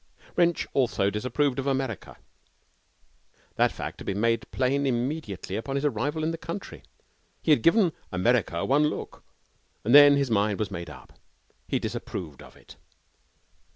Wrench also disapproved of America. That fact had been made plain immediately upon his arrival in the country. He had given America one look, and then his mind was made up he disapproved of it.